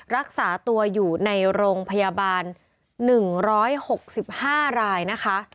รักษาตัวอยู่ในโรงพยาบาล๑๖๕รายนะคะ